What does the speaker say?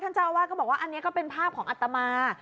เจ้าอาวาสก็บอกว่าอันนี้ก็เป็นภาพของอัตมา